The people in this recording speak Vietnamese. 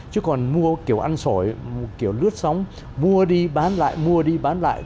chứ còn mua kiểu ăn sổi kiểu lướt sóng mua đi bán lại mua đi bán lại